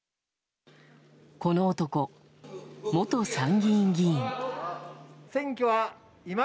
この男、元参議院議員。